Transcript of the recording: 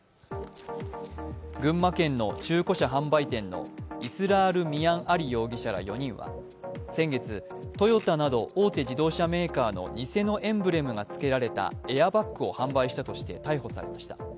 群馬県の中古車販売店のイスラール・ミアン・アリ容疑者ら４人は先月トヨタなど大手自動車メーカーの偽のエンブレムがつけられエアバッグを販売したとして逮捕されました。